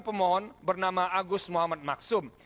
pemohon bernama agus muhammad maksum